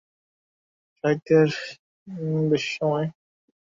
তিনি তার সাহিত্যর জন্যে বেশি সময় ব্যয় করতেন।